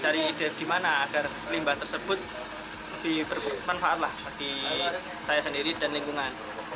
cari ide bagaimana agar limbah tersebut lebih bermanfaat bagi saya sendiri dan lingkungan